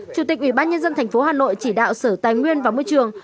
chủ tịch ủy ban nhân dân thành phố hà nội chỉ đạo sở tài nguyên và môi trường